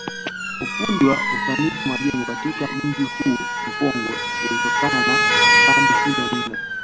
Ufundi na usanifu majengo katika mji huu mkongwe ulitokana na pande hizo nne